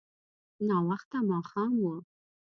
ناوخته ماښام و.